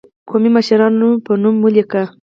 قومي مشرانو په نوم ولیک.